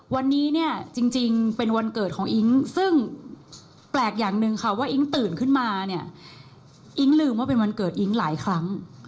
วันนี้เนี่ยจริงเป็นวันเกิดของอิ๊งซึ่งแปลกอย่างหนึ่งค่ะว่าอิ๊งตื่นขึ้นมาเนี่ยอิ๊งลืมว่าเป็นวันเกิดอิ๊งหลายครั้ง